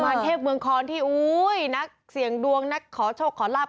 เทพเมืองคอนที่อุ้ยนักเสี่ยงดวงนักขอโชคขอลาบ